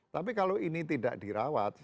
tapi kalau ini tidak dirawat